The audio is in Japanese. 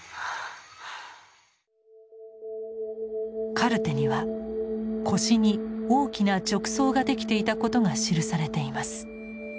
カルテには腰に大きな褥瘡ができていたことが記されています。